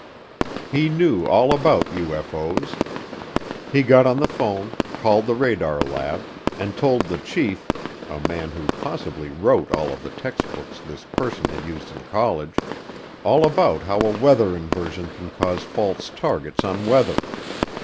He knew all about UFO's. He got on the phone, called the radar lab, and told the chief (a man who possibly wrote all of the textbooks this person had used in college) all about how a weather inversion can cause false targets on weather.